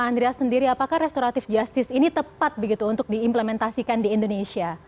andreas sendiri apakah restoratif justice ini tepat begitu untuk diimplementasikan di indonesia